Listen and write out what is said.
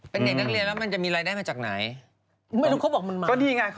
คือเขาใบนักเรียนแล้วมันจะมีรายได้มาจากไหน